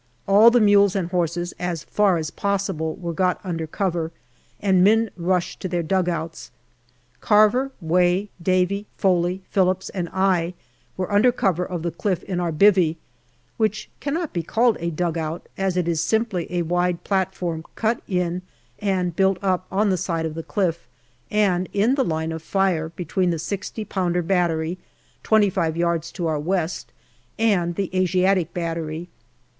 All the mules and horses, as far as possible, were got under cover, and men rushed to their dugouts. Carver, Way, Davy, Foley, Phillips, and I were under cover of the cliff in our " bivvy," which cannot be called a dugout, as it is simply a wide platform cut in and built up on the side of the cliff and in the line of fire, between the 6o pounder battery, twenty five yards to our west, and the Asiatic battery.